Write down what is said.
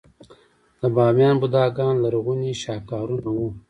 د بامیان بوداګان لرغوني شاهکارونه وو